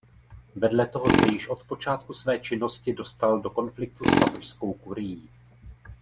Vedle toho se již od počátku své činnosti dostal do konfliktu s papežskou kurií.